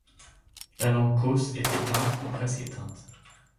La langue Coos est éteinte ou presque éteinte.